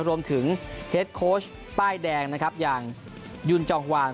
รวมถึงเฮดโค้ชป้ายแดงอย่างยุนจองหวาน